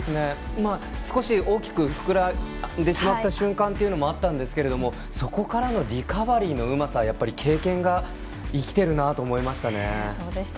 少し大きく膨らんでしまった瞬間はあったんですけれどもそこからのリカバリーのうまさやっぱり経験が生きているなと思いました。